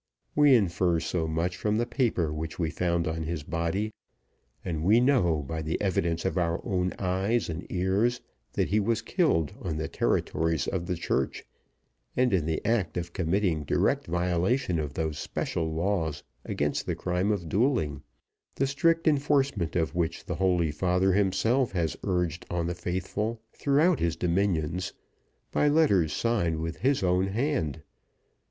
We infer so much from the paper which we found on his body; and we know, by the evidence of our own eyes and ears, that he was killed on the territories of the Church, and in the act of committing direct violation of those special laws against the crime of dueling, the strict enforcement of which the holy father himself has urged on the faithful throughout his dominions by letters signed with his own hand.